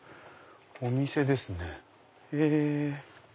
お店ですね。